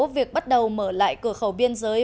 việc bắt đầu mở lại cửa khẩu biên giới